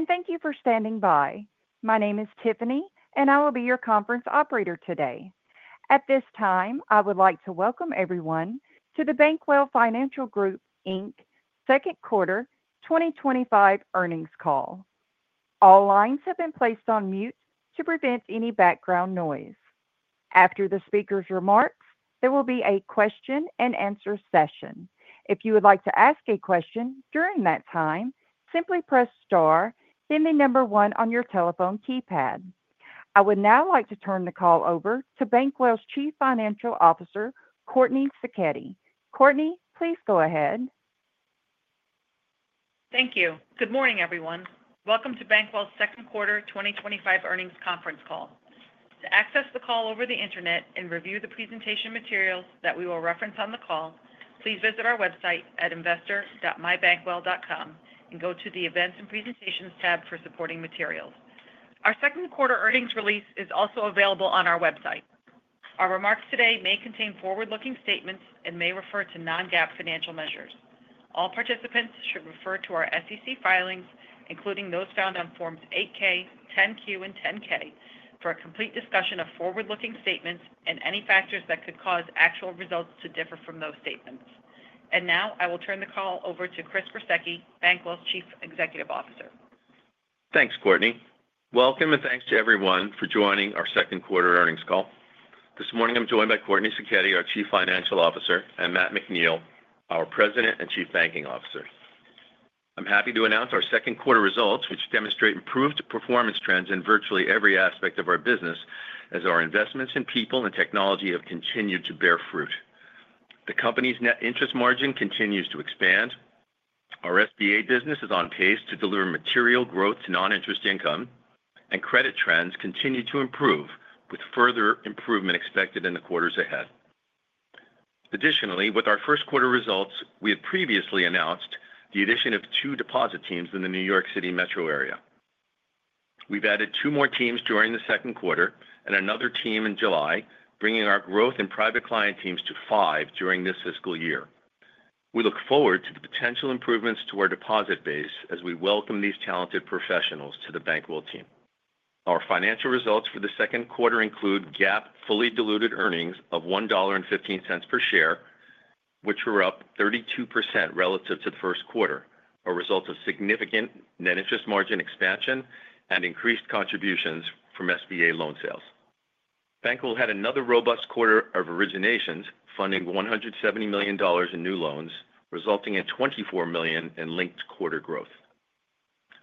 Hello, and thank you for standing by. My name is Tiffany, and I will be your conference operator today. At this time, I would like to welcome everyone to the Bankwell Financial Group Inc second quarter 2025 earnings call. All lines have been placed on mute to prevent any background noise. After the speaker's remarks, there will be a question and answer session. If you would like to ask a question during that time, simply press star, then the number one on your telephone keypad. I would now like to turn the call over to Bankwell's Chief Financial Officer, Courtney Sacchetti. Courtney, please go ahead. Thank you. Good morning, everyone. Welcome to Bankwell Financial Group's second quarter 2025 earnings conference call. To access the call over the internet and review the presentation materials that we will reference on the call, please visit our website at investor.mybankwell.com and go to the Events and Presentations tab for supporting materials. Our second quarter earnings release is also available on our website. Our remarks today may contain forward-looking statements and may refer to non-GAAP financial measures. All participants should refer to our SEC filings, including those found on Forms 8-K, 10-Q, and 10-K, for a complete discussion of forward-looking statements and any factors that could cause actual results to differ from those statements. I will now turn the call over to Chris Gruseke, Bankwell's Chief Executive Officer. Thanks, Courtney. Welcome, and thanks to everyone for joining our second quarter earnings call. This morning, I'm joined by Courtney Sacchetti, our Chief Financial Officer, and Matt McNeill, our President and Chief Banking Officer. I'm happy to announce our second quarter results, which demonstrate improved performance trends in virtually every aspect of our business, as our investments in people and technology have continued to bear fruit. The company's net interest margin continues to expand. Our SBA business is on pace to deliver material growth to non-interest income, and credit trends continue to improve, with further improvement expected in the quarters ahead. Additionally, with our first quarter results, we had previously announced the addition of two deposit teams in the New York City Metro area. We've added two more teams during the second quarter and another team in July, bringing our growth in private client teams to five during this fiscal year. We look forward to the potential improvements to our deposit base as we welcome these talented professionals to the Bankwell team. Our financial results for the second quarter include GAAP fully diluted earnings of $1.15 per share, which were up 32% relative to the first quarter, a result of significant net interest margin expansion and increased contributions from SBA loan sales. Bankwell had another robust quarter of originations, funding $170 million in new loans, resulting in $24 million in linked quarter growth.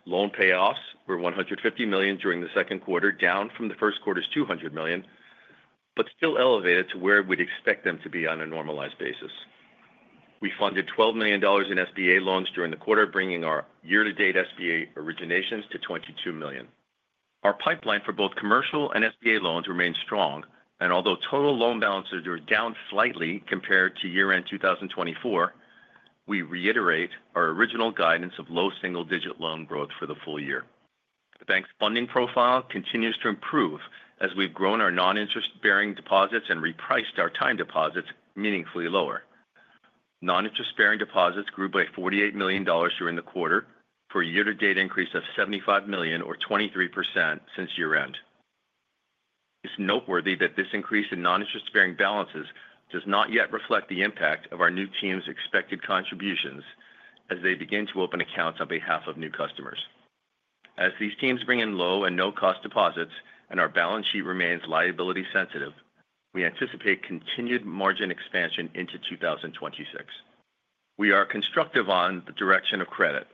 Loan payoffs were $150 million during the second quarter, down from the first quarter's $200 million, but still elevated to where we'd expect them to be on a normalized basis. We funded $12 million in SBA loans during the quarter, bringing our year-to-date SBA originations to $22 million. Our pipeline for both commercial and SBA loans remains strong, and although total loan balances are down slightly compared to year-end 2024, we reiterate our original guidance of low single-digit loan growth for the full year. The bank's funding profile continues to improve as we've grown our non-interest-bearing deposits and repriced our time deposits meaningfully lower. Non-interest-bearing deposits grew by $48 million during the quarter, for a year-to-date increase of $75 million, or 23% since year-end. It's noteworthy that this increase in non-interest-bearing balances does not yet reflect the impact of our new teams' expected contributions as they begin to open accounts on behalf of new customers. As these teams bring in low and no-cost deposits and our balance sheet remains liability-sensitive, we anticipate continued margin expansion into 2026. We are constructive on the direction of credit.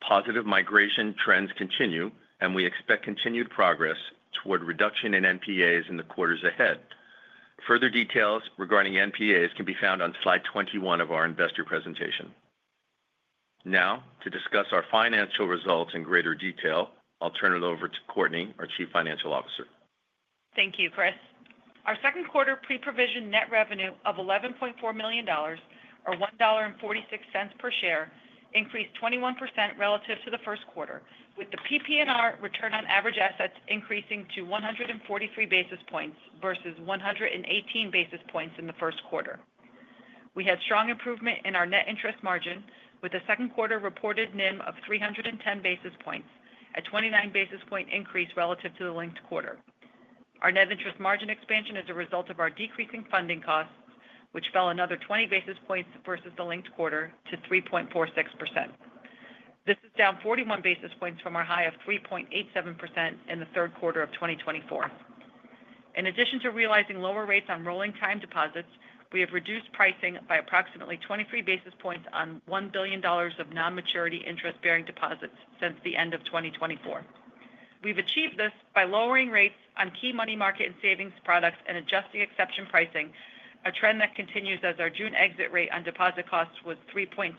Positive migration trends continue, and we expect continued progress toward reduction in NPAs in the quarters ahead. Further details regarding NPAs can be found on slide 21 of our investor presentation. Now, to discuss our financial results in greater detail, I'll turn it over to Courtney, our Chief Financial Officer. Thank you, Chris. Our second quarter pre-provision net revenue of $11.4 million, or $1.46 per share, increased 21% relative to the first quarter, with the PPNR return on average assets increasing to 143 basis points versus 118 basis points in the first quarter. We had strong improvement in our net interest margin, with the second quarter reported NIM of 310 basis points, a 29 basis point increase relative to the linked quarter. Our net interest margin expansion is a result of our decreasing funding costs, which fell another 20 basis points versus the linked quarter to 3.46%. This is down 41 basis points from our high of 3.87% in the third quarter of 2024. In addition to realizing lower rates on rolling time deposits, we have reduced pricing by approximately 23 basis points on $1 billion of non-maturity interest-bearing deposits since the end of 2024. We've achieved this by lowering rates on key money market and savings products and adjusting exception pricing, a trend that continues as our June exit rate on deposit costs was 3.28%.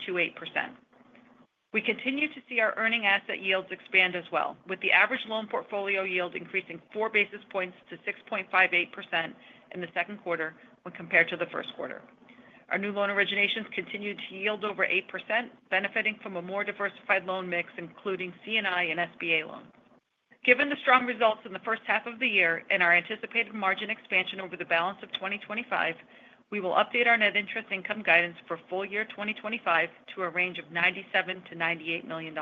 We continue to see our earning asset yields expand as well, with the average loan portfolio yield increasing four basis points to 6.58% in the second quarter when compared to the first quarter. Our new loan originations continue to yield over 8%, benefiting from a more diversified loan mix, including C&I and SBA loans. Given the strong results in the first half of the year and our anticipated margin expansion over the balance of 2025, we will update our net interest income guidance for full year 2025 to a range of $97-$98 million.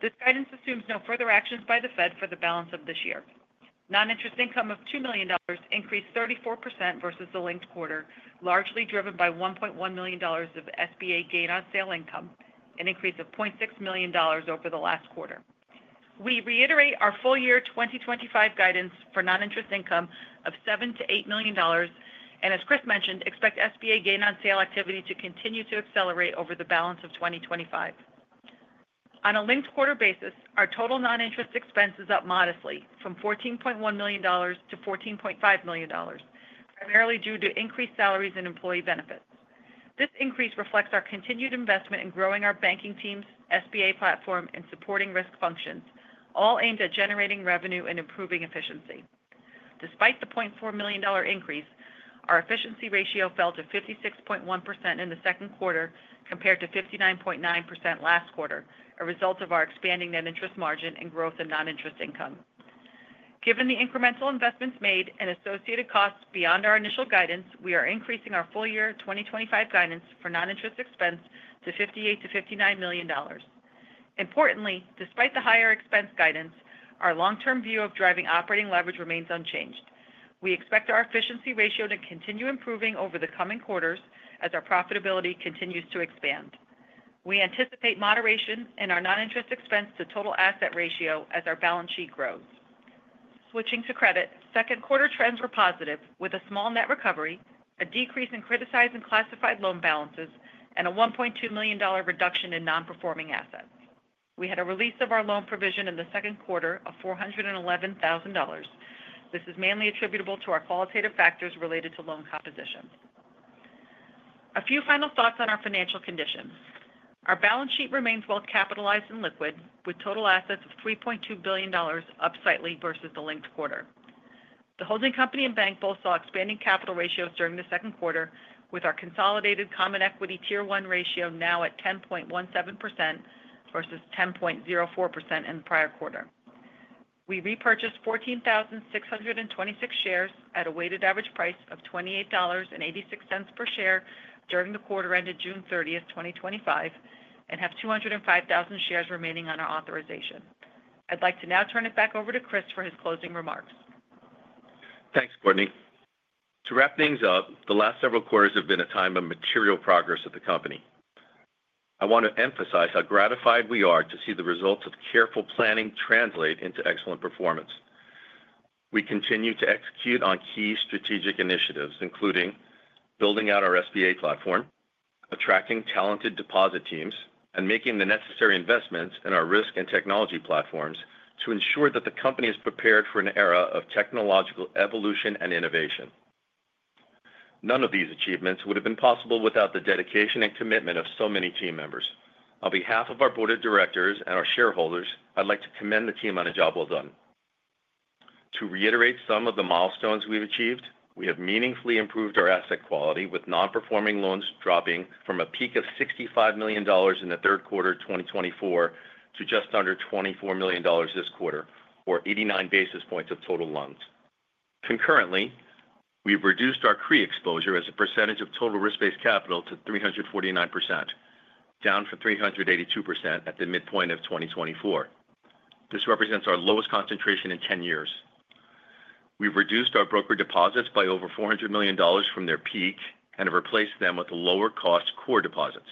This guidance assumes no further actions by the Fed for the balance of this year. Non-interest income of $2 million increased 34% versus the linked quarter, largely driven by $1.1 million of SBA gain on sale income, an increase of $0.6 million over the last quarter. We reiterate our full year 2025 guidance for non-interest income of $7-$8 million, and as Chris mentioned, expect SBA gain on sale activity to continue to accelerate over the balance of 2025. On a linked quarter basis, our total non-interest expense is up modestly from $14.1 million-$14.5 million, primarily due to increased salaries and employee benefits. This increase reflects our continued investment in growing our banking teams, SBA platform, and supporting risk functions, all aimed at generating revenue and improving efficiency. Despite the $0.4 million increase, our efficiency ratio fell to 56.1% in the second quarter compared to 59.9% last quarter, a result of our expanding net interest margin and growth in non-interest income. Given the incremental investments made and associated costs beyond our initial guidance, we are increasing our full year 2025 guidance for non-interest expense to $58-$59 million. Importantly, despite the higher expense guidance, our long-term view of driving operating leverage remains unchanged. We expect our efficiency ratio to continue improving over the coming quarters as our profitability continues to expand. We anticipate moderation in our non-interest expense to total asset ratio as our balance sheet grows. Switching to credit, second quarter trends were positive with a small net recovery, a decrease in criticized and classified loan balances, and a $1.2 million reduction in non-performing assets. We had a release of our loan provision in the second quarter of $411,000. This is mainly attributable to our qualitative factors related to loan composition. A few final thoughts on our financial condition. Our balance sheet remains well capitalized and liquid, with total assets of $3.2 billion up slightly versus the linked quarter. The holding company and bank both saw expanding capital ratios during the second quarter, with our consolidated common equity tier one ratio now at 10.17% versus 10.04% in the prior quarter. We repurchased 14,626 shares at a weighted average price of $28.86 per share during the quarter ended June 30, 2025, and have 205,000 shares remaining on our authorization. I'd like to now turn it back over to Chris for his closing remarks. Thanks, Courtney. To wrap things up, the last several quarters have been a time of material progress at the company. I want to emphasize how gratified we are to see the results of careful planning translate into excellent performance. We continue to execute on key strategic initiatives, including building out our SBA platform, attracting talented deposit teams, and making the necessary investments in our risk and technology platforms to ensure that the company is prepared for an era of technological evolution and innovation. None of these achievements would have been possible without the dedication and commitment of so many team members. On behalf of our Board of Directors and our shareholders, I'd like to commend the team on a job well done. To reiterate some of the milestones we've achieved, we have meaningfully improved our asset quality, with non-performing loans dropping from a peak of $65 million in the third quarter of 2024 to just under $24 million this quarter, or 89 basis points of total loans. Concurrently, we've reduced our CRI exposure as a percentage of total risk-based capital to 349%, down from 382% at the midpoint of 2024. This represents our lowest concentration in 10 years. We've reduced our brokered deposits by over $400 million from their peak and have replaced them with lower-cost core deposits.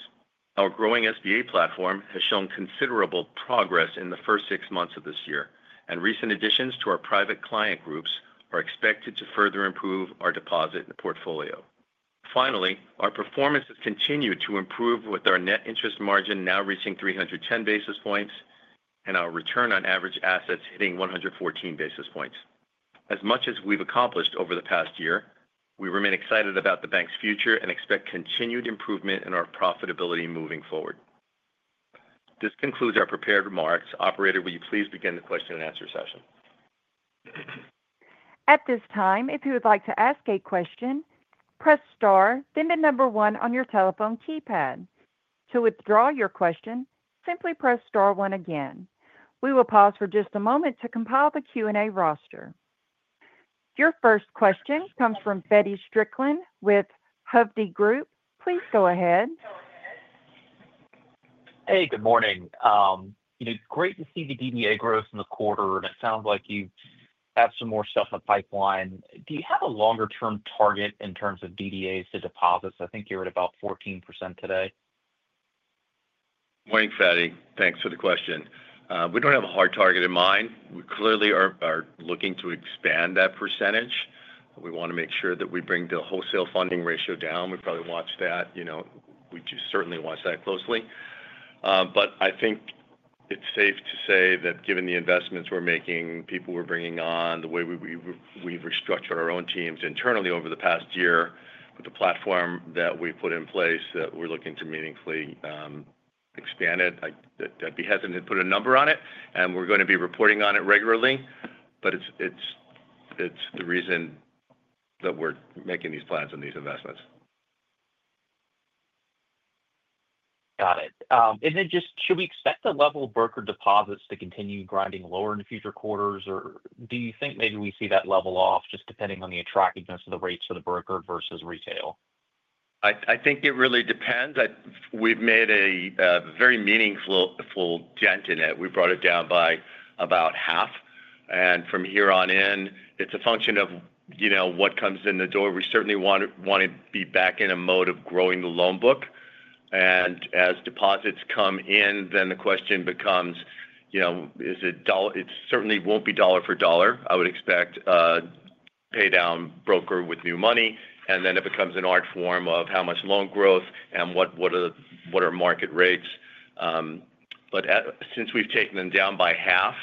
Our growing SBA platform has shown considerable progress in the first six months of this year, and recent additions to our private client deposit teams are expected to further improve our deposit in the portfolio. Finally, our performance has continued to improve with our net interest margin now reaching 310 basis points and our return on average assets hitting 114 basis points. As much as we've accomplished over the past year, we remain excited about the bank's future and expect continued improvement in our profitability moving forward. This concludes our prepared remarks. Operator, will you please begin the question and answer session? At this time, if you would like to ask a question, press star, then the number one on your telephone keypad. To withdraw your question, simply press star one again. We will pause for just a moment to compile the Q&A roster. Your first question comes from Feddie Strickland with Hovde Group. Please go ahead. Hey, good morning. Great to see the DDA growth in the quarter, and it sounds like you have some more stuff in the pipeline. Do you have a longer-term target in terms of DDAs to deposits? I think you're at about 14% today. Morning, Feddie. Thanks for the question. We don't have a hard target in mind. We clearly are looking to expand that percentage. We want to make sure that we bring the wholesale funding ratio down. We watch that closely. I think it's safe to say that given the investments we're making, people we're bringing on, the way we've restructured our own teams internally over the past year, with the platform that we put in place, we're looking to meaningfully expand it. I'd be hesitant to put a number on it. We're going to be reporting on it regularly. It's the reason that we're making these plans and these investments. Got it. Should we expect the level of brokered deposits to continue grinding lower in future quarters, or do you think maybe we see that level off just depending on the attractiveness of the rates for the broker versus retail? I think it really depends. We've made a very meaningful dent in it. We brought it down by about half. From here on in, it's a function of what comes in the door. We certainly want to be back in a mode of growing the loan book. As deposits come in, the question becomes, is it dollar? It certainly won't be dollar for dollar. I would expect a paydown broker with new money. It becomes an art form of how much loan growth and what are market rates. Since we've taken them down by half,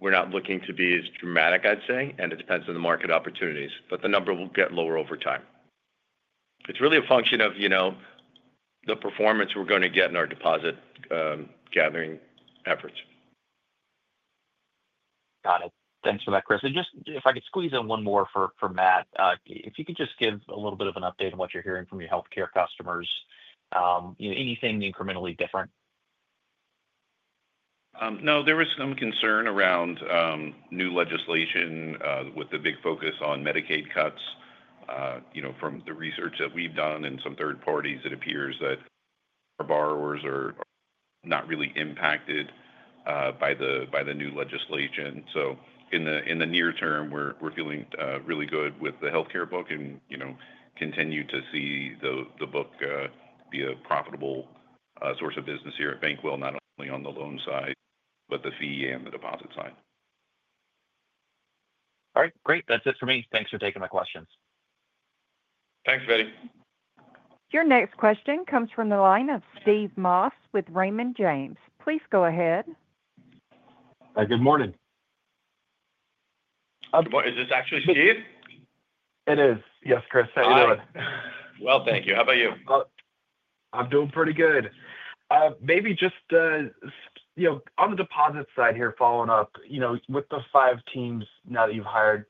we're not looking to be as dramatic, I'd say. It depends on the market opportunities. The number will get lower over time. It's really a function of the performance we're going to get in our deposit gathering efforts. Got it. Thanks for that, Chris. If I could squeeze in one more for Matt, if you could just give a little bit of an update on what you're hearing from your healthcare customers. You know, anything incrementally different? No, there was some concern around new legislation with the big focus on Medicaid cuts. From the research that we've done and some third parties, it appears that our borrowers are not really impacted by the new legislation. In the near term, we're feeling really good with the healthcare book and continue to see the book be a profitable source of business here at Bankwell, not only on the loan side, but the fee and the deposit side. All right, great. That's it for me. Thanks for taking my questions. Thanks, buddy. Your next question comes from the line of Steve Moss with Raymond James. Please go ahead. Hi, good morning. Is this actually Steve? It is. Yes, Chris. How are you doing? Thank you. How about you? I'm doing pretty good. Maybe just, on the deposit side here, following up with the five teams now that you've hired,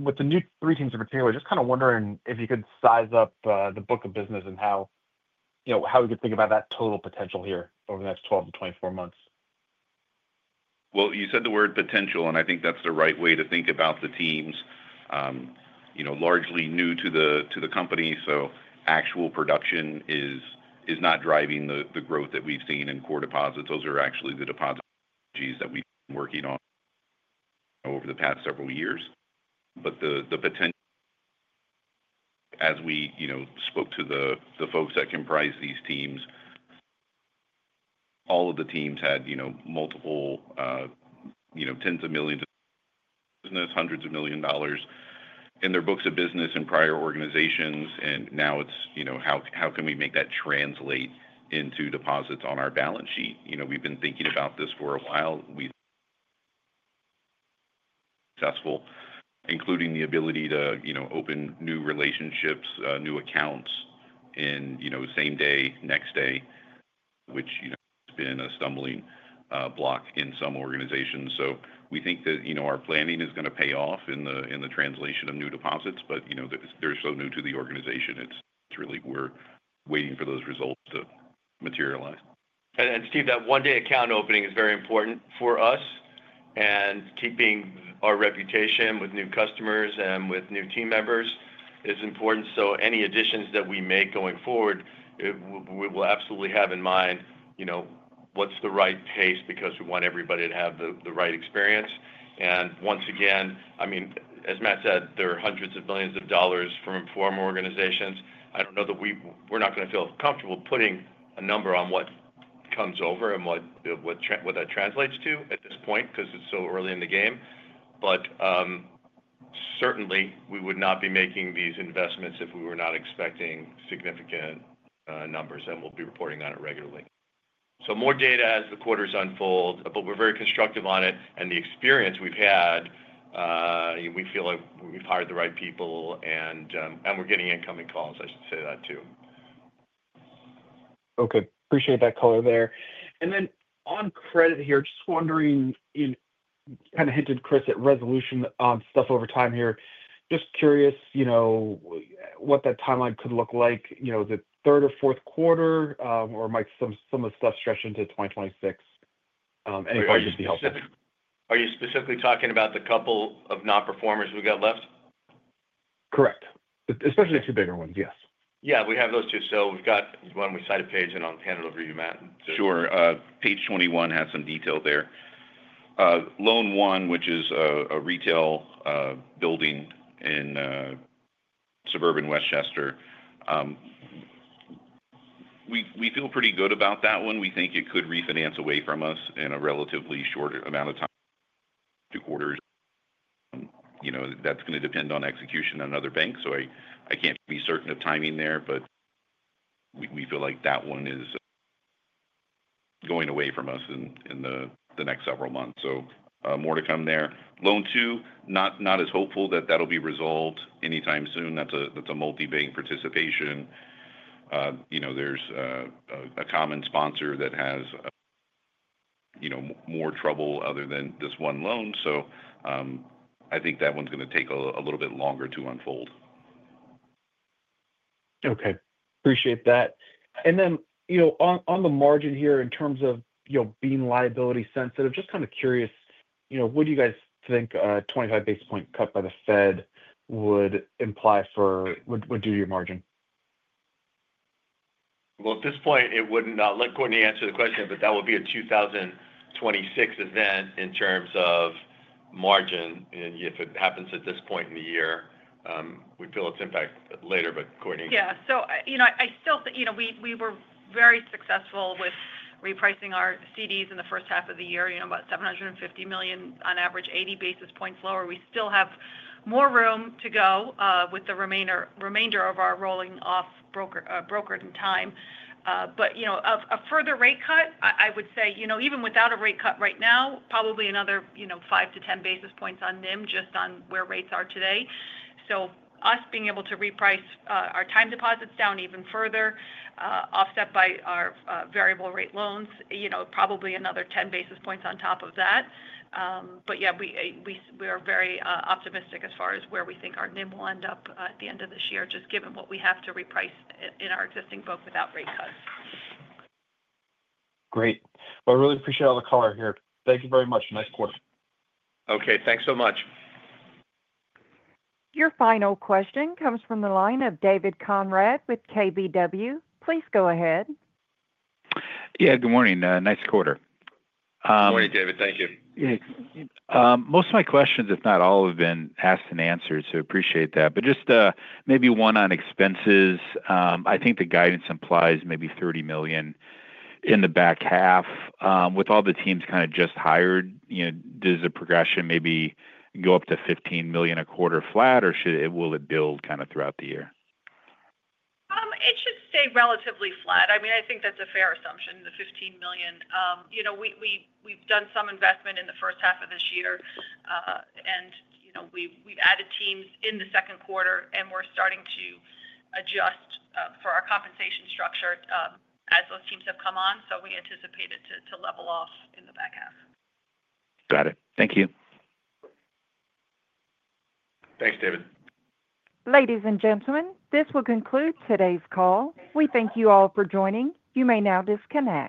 with the new three teams in particular, just kind of wondering if you could size up the book of business and how we could think about that total potential here over the next 12 to 24 months. You said the word potential, and I think that's the right way to think about the teams. They're largely new to the company, so actual production is not driving the growth that we've seen in core deposits. Those are actually the deposits that we've been working on over the past several years. The potential, as we spoke to the folks that comprise these teams, all of the teams had multiple tens of millions of business, hundreds of million dollars in their books of business in prior organizations. Now it's how can we make that translate into deposits on our balance sheet? We've been thinking about this for a while. We've been successful, including the ability to open new relationships, new accounts, and same day, next day, which has been a stumbling block in some organizations. We think that our planning is going to pay off in the translation of new deposits. They're so new to the organization, we're waiting for those results to materialize. Steve, that one-day account opening is very important for us. Keeping our reputation with new customers and with new team members is important. Any additions that we make going forward, we will absolutely have in mind what's the right pace because we want everybody to have the right experience. As Matt said, there are hundreds of millions of dollars from former organizations. I don't know that we're not going to feel comfortable putting a number on what comes over and what that translates to at this point because it's so early in the game. We would not be making these investments if we were not expecting significant numbers, and we'll be reporting on it regularly. More data as the quarters unfold, we're very constructive on it. The experience we've had, we feel like we've hired the right people, and we're getting incoming calls, I should say that too. Okay. Appreciate that color there. On credit here, just wondering, you kind of hinted, Chris, at resolution on stuff over time here. Just curious, you know, what that timeline could look like. You know, is it third or fourth quarter, or might some of the stuff stretch into 2026? It might just be helpful. Are you specifically talking about the couple of non-performers we've got left? Correct, especially the two bigger ones, yes. Yeah, we have those two. We've got one with side of page on hand over to you Matt. Sure. Page 21 has some detail there. Loan one, which is a retail building in suburban Westchester, we feel pretty good about that one. We think it could refinance away from us in a relatively short amount of time. Two quarters, you know, that's going to depend on execution in another bank, so I can't be certain of timing there, but we feel like that one is going away from us in the next several months. More to come there. Loan two, not as hopeful that that'll be resolved anytime soon. That's a multi-bank participation. There's a common sponsor that has more trouble other than this one loan. I think that one's going to take a little bit longer to unfold. Okay. Appreciate that. On the margin here in terms of being liability sensitive, just kind of curious, what do you guys think a 25-basis point cut by the Federal Reserve would imply for, would do to your margin? At this point, it would not, let Courtney answer the question, but that would be a 2026 event in terms of margin. If it happens at this point in the year, we feel its impact later, but Courtney. Yeah. I still think we were very successful with repricing our CDs in the first half of the year, about $750 million on average, 80 basis points lower. We still have more room to go with the remainder of our rolling off brokered in time. A further rate cut, I would say, even without a rate cut right now, probably another 5 to 10 basis points on NIM just on where rates are today. Us being able to reprice our time deposits down even further, offset by our variable rate loans, probably another 10 basis points on top of that. We are very optimistic as far as where we think our NIM will end up at the end of this year, just given what we have to reprice in our existing book without rate cuts. Great. I really appreciate all the color here. Thank you very much. Nice quarter. Okay, thanks so much. Your final question comes from the line of David Konrad with KBW. Please go ahead. Yeah, good morning. Nice quarter. Morning, David. Thank you. Yeah, most of my questions, if not all, have been asked and answered, so I appreciate that. Just maybe one on expenses. I think the guidance implies maybe $30 million in the back half. With all the teams kind of just hired, does the progression maybe go up to $15 million a quarter flat, or will it build throughout the year? It should stay relatively flat. I mean, I think that's a fair assumption, the $15 million. We've done some investment in the first half of this year. We've added teams in the second quarter, and we're starting to adjust for our compensation structure as those teams have come on. We anticipate it to level off in the back half. Got it. Thank you. Thanks, David. Ladies and gentlemen, this will conclude today's call. We thank you all for joining. You may now disconnect.